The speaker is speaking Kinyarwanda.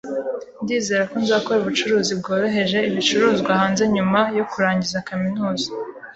Ndizera ko nzakora ubucuruzi bwohereza ibicuruzwa hanze nyuma yo kurangiza kaminuza.